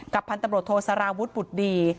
พันตำรวจโทสารวุฒิบุตรดี